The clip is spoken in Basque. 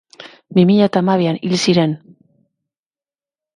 Bi mila eta hamabian hil ziren.